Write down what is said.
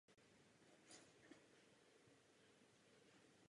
Ta představuje nejdůležitější spojnici města s oblastí Velkého Manchesteru.